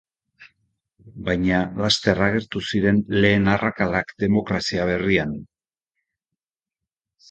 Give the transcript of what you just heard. Baina laster agertu ziren lehen arrakalak demokrazia berrian.